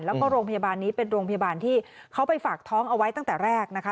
แล้วก็โรงพยาบาลนี้เป็นโรงพยาบาลที่เขาไปฝากท้องเอาไว้ตั้งแต่แรกนะคะ